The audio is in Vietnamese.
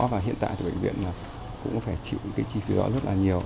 và hiện tại thì bệnh viện cũng phải chịu cái chi phí đó rất là nhiều